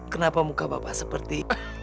kenapa muka bapak seperti